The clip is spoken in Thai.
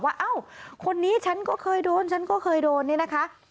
เอ้าคนนี้ฉันก็เคยโดนฉันก็เคยโดนเนี่ยนะคะ